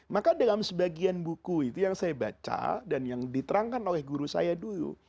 maka dalam sebagian buku itu yang saya baca dan yang diterangkan oleh guru saya dulu